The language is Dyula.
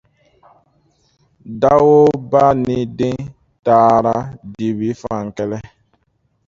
Dao ba ni den taara dibi fan kɛlɛ.